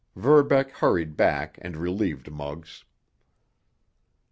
Verbeck hurried back and relieved Muggs.